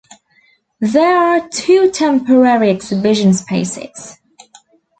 There are two temporary exhibition spaces.